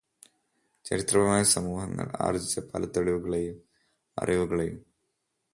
ചരിത്രപരമായി സമൂഹങ്ങൾ ആർജിച്ച പല തെളിവുകളെയും അറിവുകളെയും